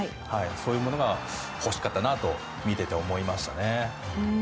そういうものが欲しかったなと見てて思いましたね。